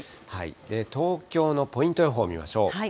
東京のポイント予報見ましょう。